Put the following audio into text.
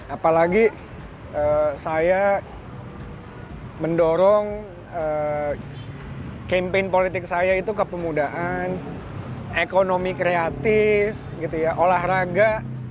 apalagi saya mendorong campaign politik saya itu kepemudaan ekonomi kreatif olahraga